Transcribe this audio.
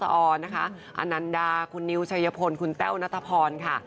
อันนันดาคุณนิวชายพลคุณแต้วณัฐพรค่ะ